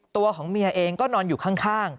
ตัวของเมียเองก็นอนอยู่ข้าง